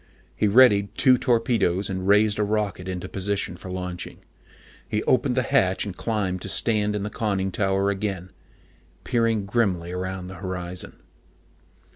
He readied two torpedoes and raised a rocket into position for launching. He opened the hatch and climbed to stand in the conning tower again, peering grimly around the horizon.